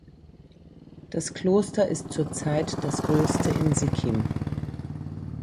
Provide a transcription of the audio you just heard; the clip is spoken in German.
Das Kloster ist zurzeit das größte in Sikkim.